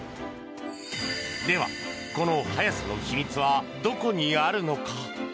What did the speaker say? では、この速さの秘密はどこにあるのか？